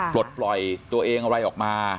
ปลดปล่อยตัวเองอะไรออกมา